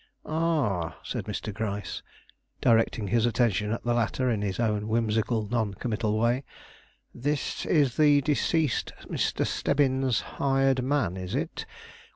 "Ah," said Mr. Gryce, directing his attention at the latter in his own whimsical, non committal way; "this is the deceased Mr. Stebbins' hired man, is it?